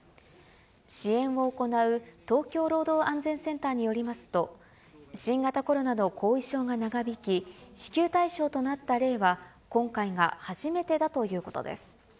支援を行う東京労働安全センターによりますと、新型コロナの後遺症が長引き、支給対象となった例は、今回が初めてだということです。